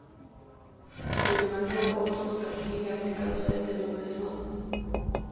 Sin embargo, otros kanji aplicados a este nombre son 賀茂川 o 加茂 川.